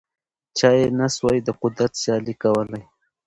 چا یې نه سوای د قدرت سیالي کولای